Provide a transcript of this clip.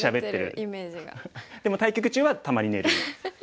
でも対局中はたまに寝る。